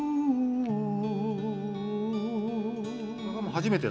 初めての？